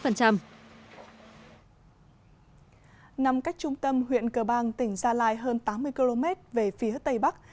nằm cách trung tâm huyện cờ bang tỉnh gia lai hơn tám mươi km về phía tây bắc